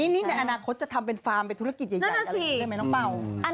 นี่ในอนาคตจะทำเป็นฟาร์มเป็นธุรกิจใหญ่ได้ไหมน้องเปล่า